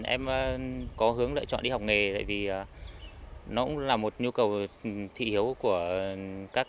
em có hướng lựa chọn đi học nghề tại vì nó cũng là một nhu cầu thị hiếu của các